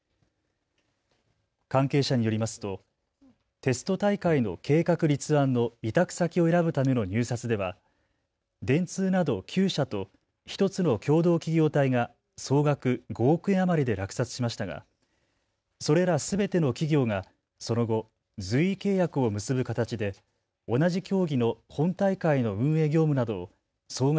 関係者によりますとテスト大会の計画立案の委託先を選ぶための入札では電通など９社と１つの共同企業体が総額５億円余りで落札しましたがそれらすべての企業がその後、随意契約を結ぶ形で同じ競技の本大会の運営業務などを総額